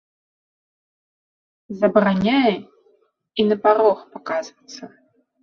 Забараняе і на парог паказвацца.